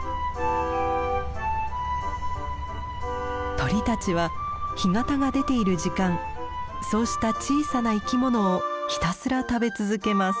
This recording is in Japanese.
鳥たちは干潟が出ている時間そうした小さな生き物をひたすら食べ続けます。